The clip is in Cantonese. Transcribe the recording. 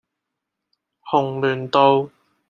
紅鸞道